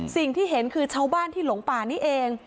สิ่งที่เห็นคือชาวบ้านที่หลงป่านี่เอง